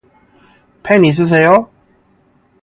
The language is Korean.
펜 있으세요?